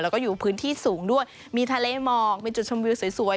แล้วก็อยู่พื้นที่สูงด้วยมีทะเลหมอกมีจุดชมวิวสวย